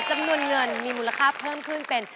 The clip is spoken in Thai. จำนวนเงินมีมูลค่าเพิ่มขึ้นเป็น